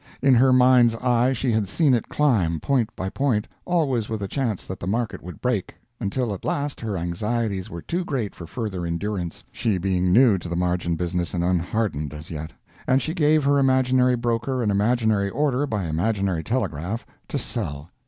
In her mind's eye she had seen it climb, point by point always with a chance that the market would break until at last her anxieties were too great for further endurance she being new to the margin business and unhardened, as yet and she gave her imaginary broker an imaginary order by imaginary telegraph to sell.